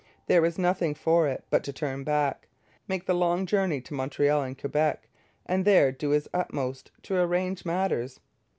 There was nothing for it but to turn back, make the long journey to Montreal and Quebec, and there do his utmost to arrange matters.